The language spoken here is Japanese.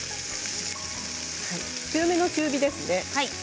強めの中火ですね。